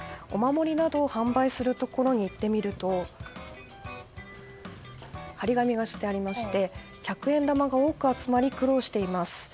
お守りなどを販売するところに行ってみると貼り紙がしてありまして百円玉が多く集まり苦労しています。